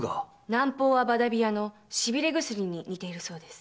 南方はバダビヤのしびれ薬に似ているそうです。